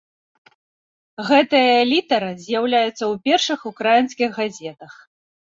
Гэтая літара з'яўляецца ў першых украінскіх газетах.